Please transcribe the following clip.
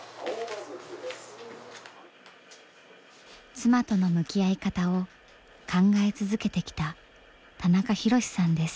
妻との向き合い方を考え続けてきた田中博さんです。